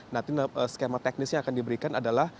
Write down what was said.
nanti skema teknisnya akan diberikan adalah